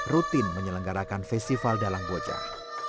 rutin menyelenggarakan festival dalang bocah